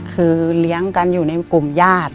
คือเลี้ยงกันอยู่ในกลุ่มญาติ